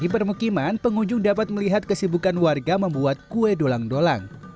di permukiman pengunjung dapat melihat kesibukan warga membuat kue dolang dolang